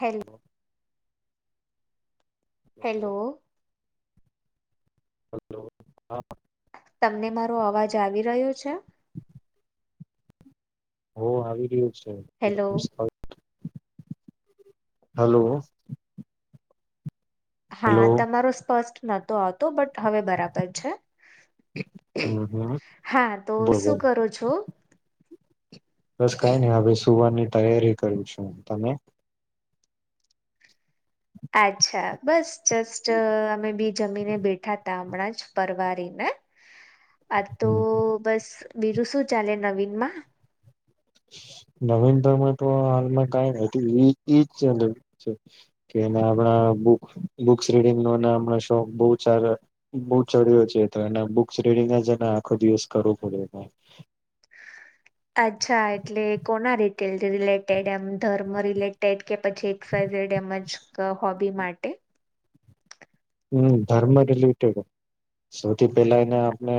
હેલ્. Hello hello. હ હા. તમને મારો અવાજ આવી રહ્યો છે. હ આવી ગું છે. Hello [unintelligible] hello. હા હલો તમારો સ્પષ્ટ નતો આવતો બટ હવે બરાબર છે. હમ હમ હા તો બોલ શું બોલ કરું છું. બસ કઈ નઈ હવે સુવારની તૈયારી કરી છું તમે. અચ્છા બસ. જસ્ટ અમે બી જમીને બેઠા. ામણાં જ પરવારીને. આ તો બસ બીરું શું ચાલે નવીન માં. નવીન ભરમાં તો હાલમાં કઈજ કેણા બુસ રીડિંગ શોખ બ બ ચડ્યો છે તો એ બુસ રીડંગ આખો દિવસ કરવો પડે. અચ્છા એટલે કોના રિટેલ રિલેટેડ એમ ધર્મ રિલેટેડ કે પછી એક્સાઇઝડ એમ જ હોબી માટે. હમ ધર્મ રિલેટેડ સૌથી પેલા એને આપણે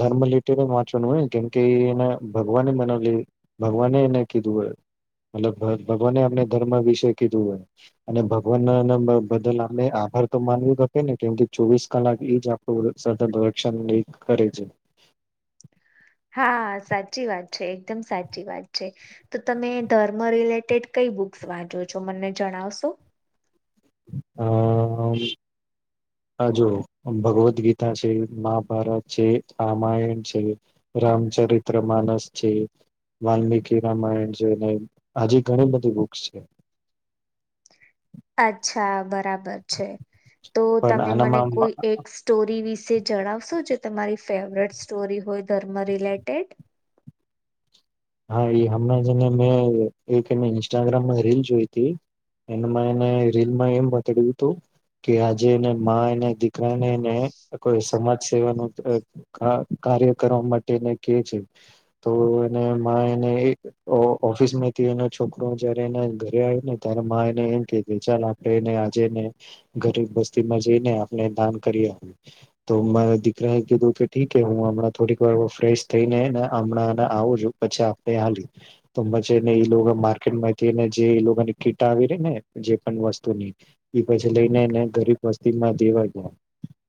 ધર્મ રિટેડ વાંચવાનું હોય કેમકે એને ભગવાને બનાવ લ ભગવાને એને કીધું હોય મતલબ ભગવાને આપણે ધર્મ વિશે કીધું હોય અને ભગવાન બદલ આપ. આભાર તો માનવી શકે ને કેમ કે ચોવીસ કલાક એજ આપણું સ રક્ષણ કરે છે. હા સાચી વાત છે એકદમ સાચી વાત છે તો તમે ધર્મ રિલેટેડ કઈ બુક્સ વાંચો છો મને જણાવશો આ આ જો ભગવદ્ ગીતા છે મહાભારત છે રામાયણ છે રામચરિત્ર માનસ છે વાલ્મીિકી રામાયણ છે ને આજ ઘણી બધી બુક્સ છે. અચ્છા બરાબર છે તો પણ તમે મને આનામાં કોઈ એક સ્ટોરી વિશ વિષે જણાવશો જે તમારી ફેવરેટ સ્ટોરી હોય ધર્મ રિલેટેડ હા એ હમણાંને મે એક એ ઇન્સ્ટાગ્રામમાં રીલ જોઈ હતી એ એને રીલમાં એમ બતડ્યું હતું કે આજે એને માને દીકરાને એને કોઈ સમાજ સેવાનુ કાર્ય કરવા માટેને કે છે તો એને એને ઓફિસ માંથી એનો છોકરો જયારે એને ઘરે આવ્યો ને ત મા એને એમ કે ચાલ આપણે એને આજેને ગરીબ વસ્તીમાં જઈને આપણે દાન કરીએ તો દીકરા એ કીધું કે ઠી હું હમણાં થોડીક વાર ફ્રેશ થઈ ને હમણાં આવુ છું. પછી આપણે હાલી તો પછીને એ લોકો માર્કેટ માંથીને જે લોકોની કીટ આવી રહી ને જે પણ વસ્તુની એ પછી લઈને એને ગરીબ વસ્તીમાં દેવા ગયા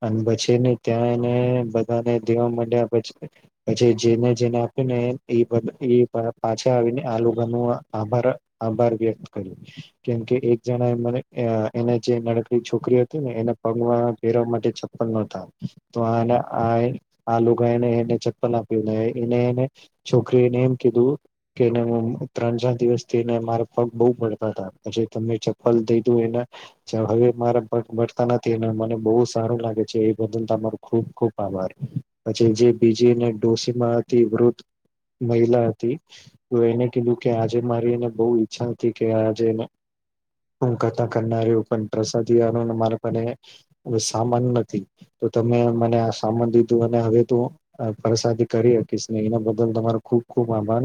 અને પછીને ત્યાં એને બધાને દેવા માંડ્યા પછી જેને જેને આપી ને પાછા આવીને આ લોકોનો આભાર આભાર વ્યક્ત કર્યો કેમકે એક જણા એ મને એને જે નાનકડી છોકરી હતી ને એને પગમાં પેરવા માટે ચપ્પલ નતા તો આ આ લોકો એને એને ચપ્પલ આપ્યું એનેને છોકરી એને એમ કીધું કેને ત્રણ ચાર દિવસથીને મારા પગ બહુ મળતા હતા પછી તમે ચપ્પલ દઈધું એને હવે મારા પગ મળતા નથી એને મને બોવ સારું લાગે છે એ બદલ તમારો ખુબ ખુબ આભાર પછી જે બીજીને ડોસી હતી વૃદ્ધ મહિલા હતી તો એને કીધું કે આજે મારી એને બહુ ઈચ્છા હતી કે આજે હું કરતા કરનાર્યો પણ પ્રસાદી વાનોને મારા પાને સામાન નથી તો તમે મને આ સામાન દીધું અને હવે તું પ્રસાદી કરી શકીશ ને એના બધ ખૂબ ખુબ આભાર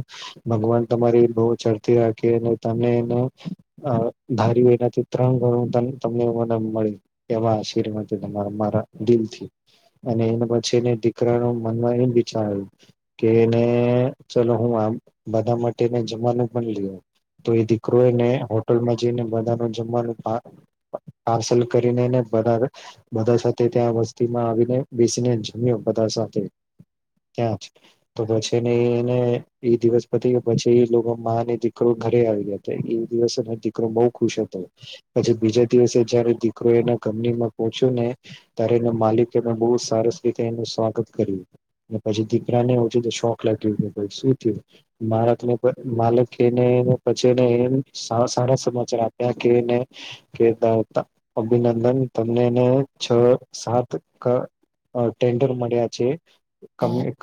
ભગવાન તમારી બહુ ચઢતી રાખે તમે એનુ ધાર્યું એનાથી ત્રણ ગણું તમને મને મળ્યું એવા આશીર્વાદરા મારા દિલથી અને એના પછીને દીકરાના મનમાં એમ વિચાર આવ્યું કે ચલો હું આમ બધા માટે જમવાનું પણ લઈ તો એ દીકરો એને હોટલમાં જઈને બધાનુ જમવાનું પાર્સલ કરીનેને બધા બધા સાથે ત્યાં વસ્તીમાં આવીને બેસીને જમ્યો બધા સાથે ત્યાં જ તો પછીને એને એ દિવસ પતે કે પછી એ લોકો અને દીકરો ઘરે આવી ગયા હતો એ દિવસે દીકરો બહુ ખુશ હતો પછી બીજા દિવસે જયારે દીકરો એના કંનીમાં પહોચ્યો ને ત્યારે એના માલિકેને બહુ સરસ રીતે એનું સ્વાગત કર્યું પછી દીકરાને લાગયું માલીકને માલને પછીને સારા સમાચાર આપ્યા કેને અભિનંદન તમને એને છ સાત ટેન્ડર મળ્યા છે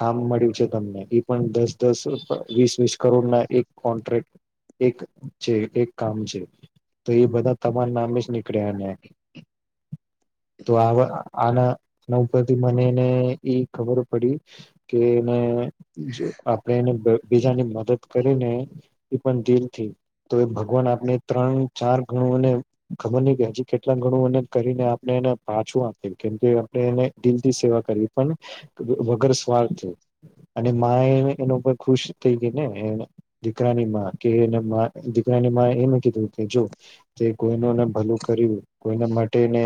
કામ મળ્યું છે તમને એ પણ દસ દસ વીસ વીસ કરોડ ના એક કોન્ટ્રક્ટ એક છે એક કામ છે તો એ બધા તમારા નામે કળાયાને તો આ આના ઉપરથી મનેને ઈ ખબર પડી કે અને જો આપણે એને બીજાની મદદ કરી ને એ પણ દિલ થી તો એ ભગવાન આપણે ત્રણ ચાર ગણુંને ખબર ની કે હજી કેટલાક ગણુંને કરીને આપણે એને પાછું આપે કેમ કે આપણે એને દિલથી સેવા કરી પણ વગર સ્વાર્થ અને મા એ એના ઉપર ખુશ થઈ ગઈ ને દીકરાની કે દીકરાની મા એમ કીધું કે જો કે કોઈનું ભલું કર્યું. કોઈના માટે ને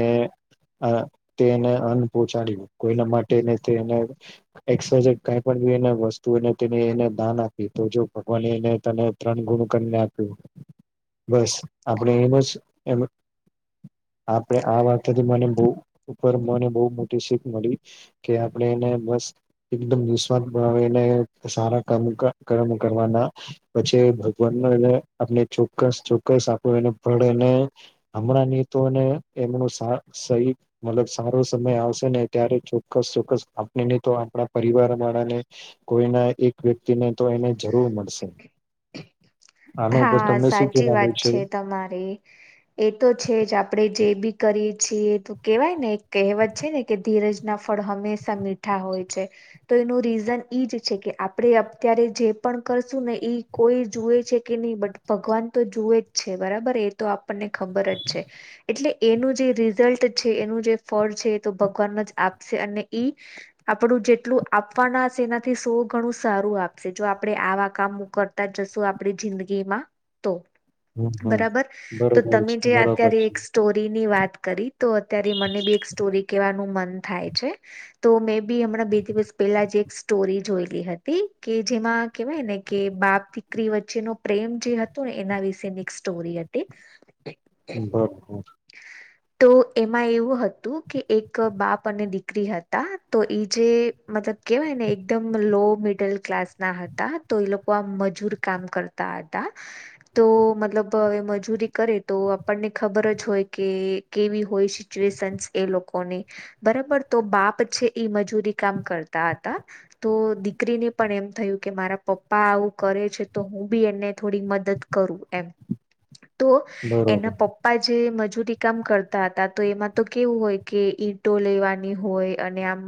અ તેને અન્ન પહોંચાડ્યું કોઈના માટેને તેને એકસ કઈ પણ વસ્તુ તેને એને દાન આપી તો જો ભગવાને એ તને ત્રણ ગણુ કરીને આપ્યું બસ આપણે એનું આપણે આવા મને બ ઉપર મને બહ મોટી શીખ મળી કે આપણે એને બસ ને સારા કર્મ કરવાના પછી ભગવાન આપને ચોક્કસ ચોક્કસ આપ એને ભળને હમણાંની તોને એમનું સહી મતલબ સારો સમય આવશે ને ત્યારે ચોક્કસ ચોક્કસ આપણેને તો આપણા પરિવાર વાળાને કોઈના એક વ્યક્તિને તો એને જરૂર મળશે આના ઉપર હા તમને શું સાચી વાત કહેવાનું છે તમારે એ તો છે જ આપણેે જે બી કરી પછી એ કેહેવાય ને એક કહેવત છે ને કે ધીરજ ના ફળ હંમેશા મીઠા હોય છે તો એનું રીઝન એજ છે કે આપણે અત્યારે જે પણ કરશું ને એ કોઈ જુએ છે. નહી બટ ભગવાન તો જુએ જ છે બરાબર એ તો આપણને ખબર જ છે એટલે એનું જે રિઝલ્ટ છે એનું જે ફળ છે એ તો ભગવાન જ આપશે અને ઈ આપણું જેટલું આપવાના હશે એનાથી સો ઘણું સારું આપશે જો આપણે આવા કામ કરતા જ જશું આપડી જિંદગીમાં તો હમ હમ બરાબર તો બરોબર તમે છે જે બરોબર અત્યારે છે એક સ્ટોરીની વાત કરી તો અત્યારે મને બી એક સ્ટોરી કેવાનું મન થાય છે તો મે બી હમણાં બે દિવસ પહેલા જ એક સ્ટોરી જોયલી હતી કે જેમાં કેવાય ને કે બાપ દીકરી વચ્ચે વચેનો પ્રેમ જે હતો ને એના વિશેની એક સ્ટોરી હતી. બરોબર તો એમાં એવું હતું કે એક બાપ અને દીકરી હતા તો એ જે મતલબ કેહેવાય ને એકદમ લો મિડલ ક્લાસ ના હતા તો એ લોકો આ મજૂર કામ કરતા હતા તો મતલબ હવે મજૂરી કરે તો આપણને ખબર જ હોય કે કેવી હોય સચુએસન એ લોકોની બરાબર તો બાપ છે એ મજૂરી કામ કરતા હતા તો દીકરીને પણ એમ થયું કે મારા પપ્પા આવું કરે છે તો હું બી એને થોડી મદદ કરું એમ તો બરોબર એના પપ્પા એ મજૂરી કામ કરતા હતા તો એમાં તો કેવું હોય કે ઈટો લેવાની હોય અને આમ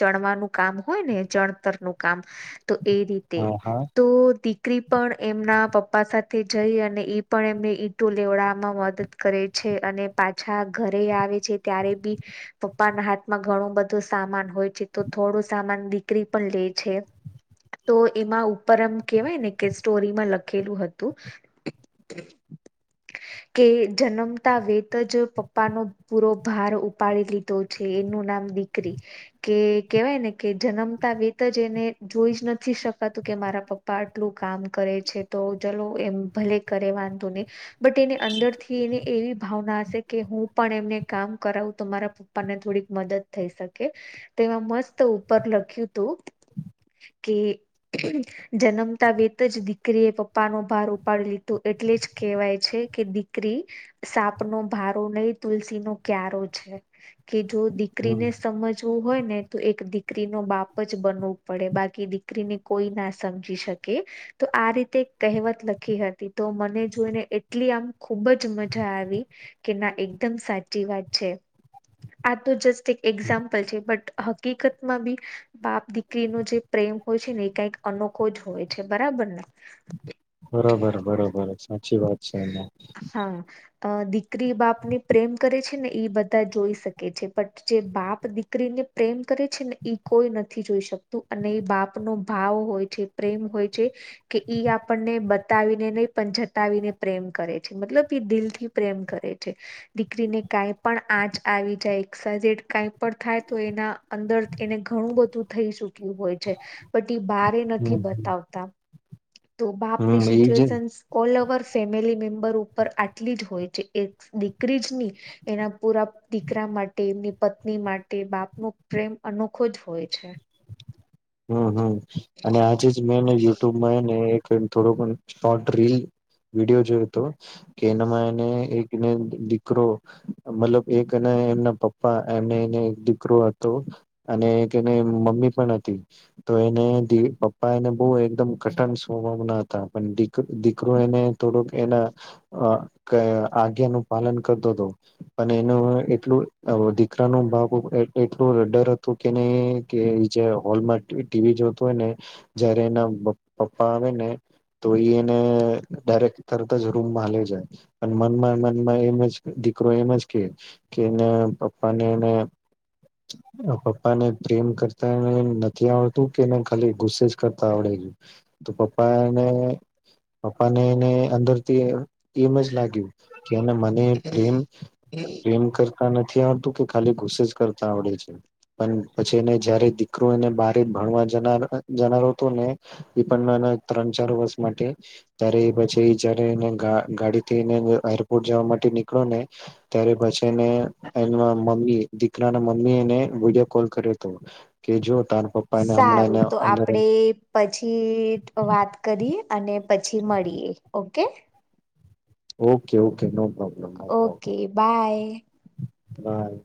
ચણવાનું કામ હોય ને ચણતરનું કામ તો એ રીતે હા હા તોી દક્રી પણ એમના પપ્પા સાથે જઈ અને એ પણ એમને ઈંટો લેવડવામાં મદદ કરે છે અને પાછા ઘરે આવે છે ત્યારે બી પપ્પાના હાથમાં ઘણો બધો સામાન હોય છે તો થોડો સામાન દીકરી પણ લે છે તો એમાં ઉપરમ કેવાય ને કે સ્ટોરીમાં લખેલું હતું કે જન્મતા વેત જ પપ્પાનો પૂરો ભાર ઉપાડી લીધો છે એનું નામ દીકરી કે કેહેવાય ને કે જન્મતા વેત જ એને જોઈ જ નથી શકાતું કે મારા પપ્પા આટલું કામ કરે છે તો ચલો એમ ભલે કરે વાંધો નહી બટ એની અંદરથી એને એવી ભાવના હશે કે હું પણ એમને કામ કરાવું તો મારા પપ્પાને થોડીક મદદ થઈ શકે તેમાં મસ્ત ઉપર લખ્યું હતું કે જન્મતા વેત જ દીકરીએ પપ્પાનોો ભાર ઉપાડી લીધું એટલે જ કેહેવાય છે કે દ ીરી સાપ નો ભારો નહી તુલસી નો ક્યારો છે કે જો હમ દીકરીને સમજ જો હોય ને તો એક દીકરી નો બાપ જ બનવું પડે બાકી દીકરીને કોઈ ના સમજી શકે તો આ રીતે કહેવત લખી હતી તો મને જોઈને એટલી આમ ખુબ જ મજા આવી કે ના એકદમ સાચી વાત છે આ તો જસ્ટ એક એક્ઝામ્પલ છે બટ હકીકતમાં બી બાપ દીકરીનો જે પ્રેમ હોય છે ને એ કઈક અનોખો જ હોય છે બરાબર ને બરોબર બરોબર સાચી વાત અશાલ્લા હા અ દીકરી બાપ ને પ્રેમ કરે છે ને એ બધા જોઈ શકે છે બટ જે બાપ દીકરીને પ્રેમ કરે છે ને ઈ કોઈ નથી જોઈ શકતું અને એ બાપનોો ભાવ હોય છે પ્રેમ હોય છે કે ઈ આપણને બતાવીને નહીં પણ જતાવીને પ્રેમ કરે છે મતલબ એ દિલ થી પ્રેમ કરે છે દીકરીને કાઈ પણ આંચ આવી જાય એક્સાડ કઈ પણ થાય તો એના અંદર એને ઘણું બધું થઈ ચુક્યું હોય છે બટ એ બારે હમ નથી બતાવતા તો બાપ આપની હમ એજ situation all over family member ઉપર આટલી જ હોય છે એક દીકરી જ નની એના પૂરા દીકરા માટે એમની પત્ની માટે બાપનો પ્રેમ અનોખો જ હોય છે હહ અને આજે જ મેં ને યુટ્યુબમાં હે ને એક તો એમ થોડોક પન શોર્ટ રીલ વિડીયો જોયો તો કે એનામાં એને એક દીકરો મતલબ એક હે ને એમના પપ્પા એમને એને એક દીકરો હતો અને એક હે ને એ મમ્મી પણ હતી. તો એને પપ્પા એને બહુ એકદમ કટર સ્વભાવના હતા. પન દિક દીકરો એને થોડુંક એના આજ્ઞાનું પાલન કરતો તો પણ એનું એટલું દીકરાનું બાપ ઉપર એટલું ડર હતું કે ને કે જે હોલમાં ટીવી જોતો હોય ને જયારે એના પપ્પા આવે ને તો એ એને ડાયરેક્ટ તરત જ રૂમમાં હાલ્યો જાય. અને મનમાં ને મનમાં એમ જ દીકરો એમ જ કે કે એના પપ્પાને એને પપ્પાને પ્રેમ કરતાને નથ જે આવડતું તે એને ખાલી ગુસ્સે જ કરતા આવડે તો પપ્પા એને પપ્પાને એને અંદરથી એમ જ લાગ્યું કે ને મને પ્રેમ પ્રેમ કર તા નથી આવડતું કે ખાલી ગુસ્સે જ કરતા આવડે છે. પન પછી એને જયારે દીકરો એને બારે ભણવા જના જનારો તો ને એ પણ હે ને ત્રણ ચાર વર્ષ માટે ત્યારે એ પછી જયારે એને ગાડી થીને એરપોર્ટ જવા માટે નીકળ્યો ને ત્યારે પછી એને એના મમ્મી દીકરાના મમ્મી એને વિડીયો કોલ કર્યો તો કે જો તાર પપ્પા એને હમણાં સારું એને તો અંદર આપડે પછી વાત કરીએ અને પછી મળીએ okay okay okay no problem no okay problem bye by